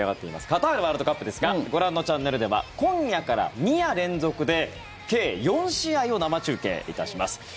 カタールワールドカップですがご覧のチャンネルでは今夜から２夜連続で計４試合を生中継いたします。